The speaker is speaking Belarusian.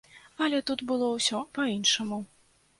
Але тут было ўсё па-іншаму.